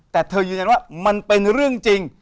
แต่เธอยืนยันว่ามันเป็นเรื่องจริง